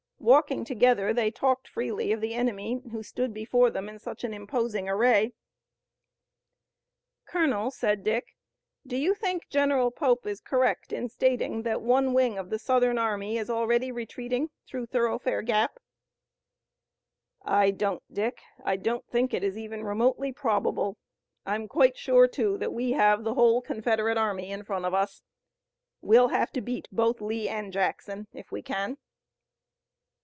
Walking together they talked freely of the enemy who stood before them in such an imposing array. "Colonel," said Dick, "do you think General Pope is correct in stating that one wing of the Southern army is already retreating through Thoroughfare Gap?" "I don't, Dick. I don't think it is even remotely probable. I'm quite sure, too, that we have the whole Confederate army in front of us. We'll have to beat both Lee and Jackson, if we can."